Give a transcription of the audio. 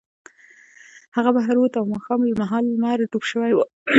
هغه بهر ووت او ماښام مهال لمر ډوب شوی و